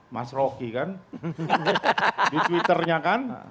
mas rocky kan di twitternya kan